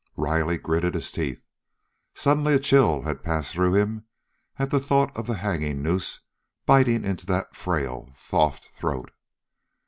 Riley gritted his teeth. Suddenly a chill had passed through him at the thought of the hanging noose biting into that frail, soft throat.